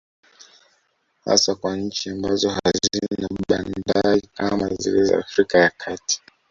Hasa kwa nchi ambazo hazina bandari kama zile za Afrika ya kati